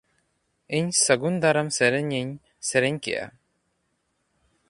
ᱤᱧ ᱥᱟᱹᱜᱩᱱ ᱫᱟᱨᱟᱢ ᱥᱮᱨᱮᱧ ᱤᱧ ᱥᱮᱨᱮᱧ ᱠᱮᱜᱼᱟ ᱾